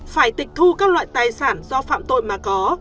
phải tịch thu các loại tài sản do phạm tội mà có